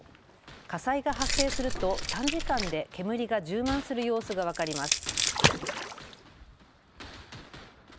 火災が発生すると短時間で煙が充満する様子が分かります。